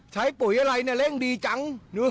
ปุ๋ยอะไรเนี่ยเร่งดีจัง